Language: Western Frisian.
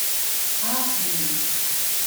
Haadmenu.